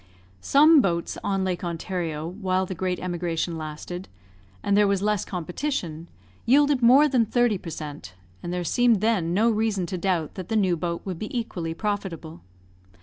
Some boats on Lake Ontario, while the great emigration lasted, and there was less competition, yielded more than thirty per cent.; and there seemed then no reason to doubt that the new boat would be equally profitable.